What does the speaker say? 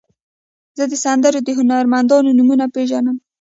زه د سندرو د هنرمندانو نومونه پیژنم.